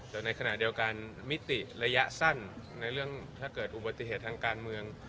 แต่ในขณะเดียวกันมิติระยะสั้นในเรื่องถ้าเกิดอุบัติเหตุทางการเมือง